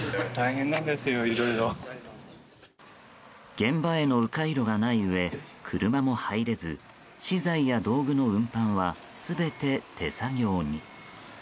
現場への迂回路がないうえ車も入れず資材や道具の運搬は全て手作業に。